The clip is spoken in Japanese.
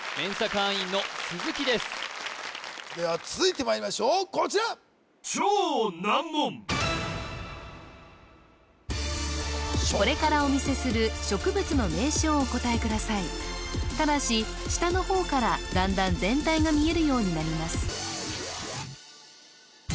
会員の鈴木ですでは続いてまいりましょうこちらこれからお見せする植物の名称をお答えくださいただし下の方から段々全体が見えるようになります